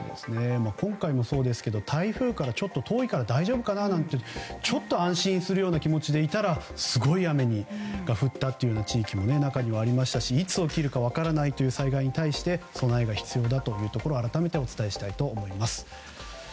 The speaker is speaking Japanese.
今回もそうですが台風からちょっと遠いから大丈夫かななんてちょっと安心するような気持ちでいたらすごい雨が降ったという地域も中にはありましたしいつ起きるか分からないという災害に対して備えが必要だというところを改めてお伝えしたいと思います。